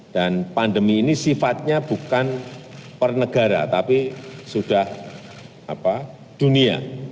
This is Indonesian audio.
dan pandemi ini sifatnya bukan pernegara tapi sudah dunia